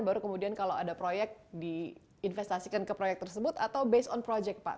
baru kemudian kalau ada proyek diinvestasikan ke proyek tersebut atau based on project pak